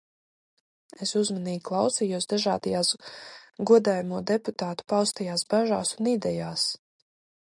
Es uzmanīgi klausījos dažādajās godājamo deputātu paustajās bažās un idejās.